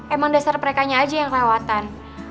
emang dasar merekanya aja yang kelewatan